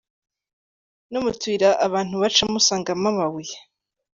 no mu tuyira abantu bacamo usangamo amabuye.